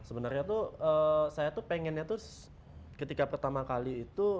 sebenarnya saya itu pengennya ketika pertama kali itu